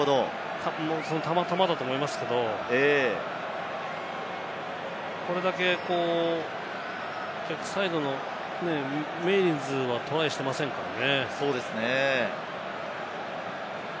たまたまだと思いますけど、これだけ逆サイドのウィリスはトライしてませんからね。